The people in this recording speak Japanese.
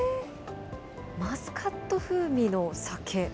マスカット風味の酒？